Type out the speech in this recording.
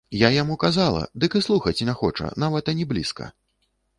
Я яму казала, дык і слухаць не хоча, нават ані блізка!